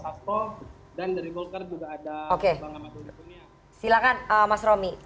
silahkan mas romi